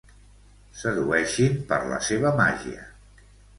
Sedueixin per la seva màgia.